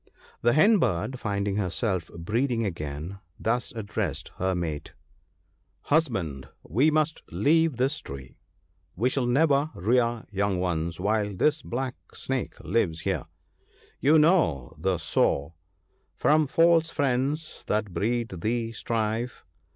The Hen bird, finding herself breed ing again, thus addressed her mate :" Husband, we THE PARTING OF FRIENDS. 77 must leave this tree ; we shall never rear young ones while this black snake lives here ! You know the saw —" From false friends that breed thee strife.